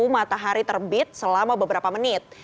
matahari terbit selama beberapa menit